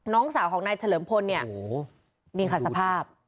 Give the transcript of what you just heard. น้องสาวของไน้เฉริมพลเนี่ยนี่ค่ะสภาพ